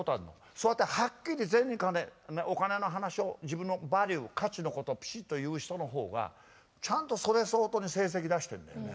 そうやってはっきり銭金お金の話を自分のバリュー価値のことをピシッと言う人の方がちゃんとそれ相当に成績を出してるんだよね